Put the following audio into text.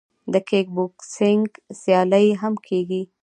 د کیک بوکسینګ سیالۍ هم کیږي.